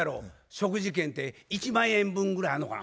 食事券って１万円分ぐらいあんのかな？